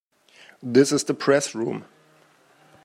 This is the Press Room.